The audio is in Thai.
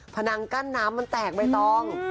นังกั้นน้ำมันแตกใบตอง